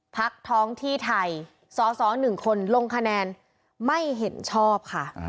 พักท้องที่ไทยสส๑คนลงคะแนนไม่เห็นชอบค่ะ